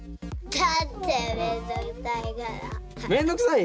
だってめんどくさい？